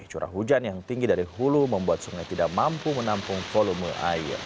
curah hujan yang tinggi dari hulu membuat sungai tidak mampu menampung volume air